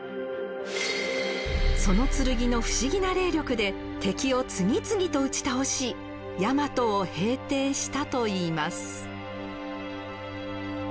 その剣の不思議な霊力で敵を次々と打ち倒しやまとを平定したといいます。